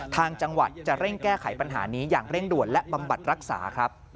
ทางจังหวัดจะเร่งแก้ไขปัญหานี้อย่างเร่งด่วนและบำบัดรักษาครับ